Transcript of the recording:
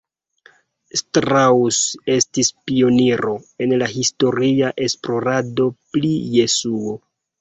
Strauss estis pioniro en la historia esplorado pri Jesuo.